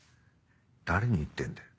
誰に言ってんだよ。